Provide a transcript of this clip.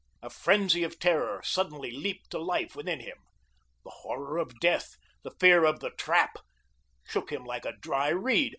A frenzy of terror suddenly leaped to life within him. The horror of death, the Fear of The Trap, shook him like a dry reed.